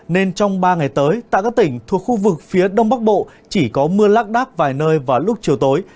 nên trong ba ngày tới tại các tỉnh thuộc khu vực phía đông bắc bộ chỉ có mưa lác đác vài nơi vào lúc chiều tối